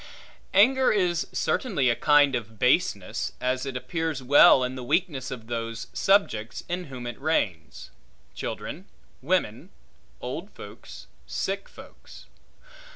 Anger is certainly a kind of baseness; as it appears well in the weakness of those subjects in whom it reigns; children, women, old folks, sick folks.